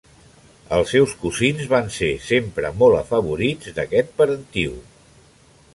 Els seus cosins van ser sempre molt afavorits d'aquest parentiu.